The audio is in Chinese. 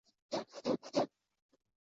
金朝废。